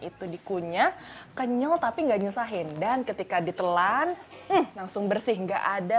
itu dikunyah kenyal tapi nggak nyusahin dan ketika ditelan langsung bersih enggak ada